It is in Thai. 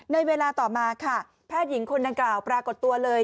ในเวลาต่อมาค่ะแพทย์หญิงคนดังกล่าวปรากฏตัวเลย